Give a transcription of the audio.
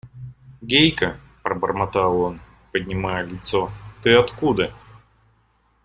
– Гейка, – пробормотал он, поднимая лицо, – ты откуда?